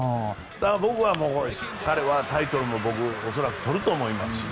僕は彼はタイトルも恐らく取ると思いますしね。